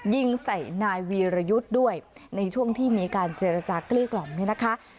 ยิงใส่นายวีรยุทธ์ด้วยในช่วงที่มีการเจรจาเกลี้กล่อมเนี่ยนะคะ